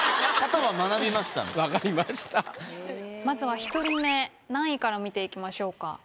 まずは１人目何位から見ていきましょうか？